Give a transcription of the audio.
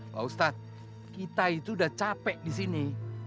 pak ustadz kita itu udah capek di sini